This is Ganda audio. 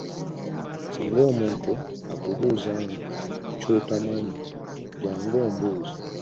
Singa omuntu akubuuza ky'otamanyi, jangu ombuuze.